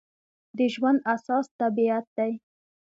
د ژوند اساس طبیعت دی.